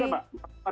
tidak ada mbak